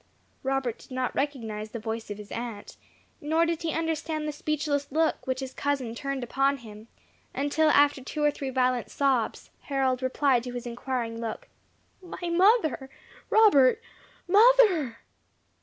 Robert did not recognize the voice of his aunt, nor did he understand the speechless look which his cousin turned upon him, until after two or three violent sobs, Harold replied to his inquiring look, "My mother! Robert, mother!"